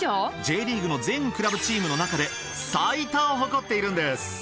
Ｊリーグの全クラブチームの中で最多を誇っているんです。